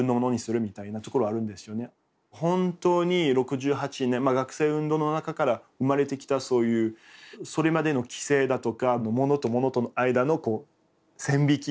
本当に６８年学生運動の中から生まれてきたそういうそれまでの既成だとか物と物との間の線引きみたいな。